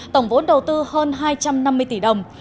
tổng vốn đầu tư hơn hai trăm năm mươi tỷ đồng